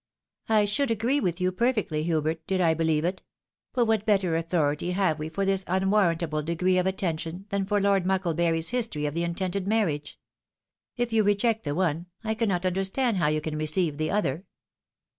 " I should agree with you perfectly, Hubert, did I believe it. But what better authority have we for this unwarrantable degree of attention, than for Lord Mucklebury's history of the intended marriage ? If you reject the one, I cannot understand how you can receive the other."